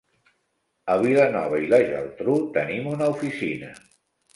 A Vilanova i la Geltrú tenim una oficina.